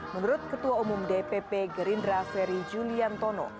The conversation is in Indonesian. menurut ketua umum dpp gerindra ferry julian tono